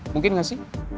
mungkin gak sih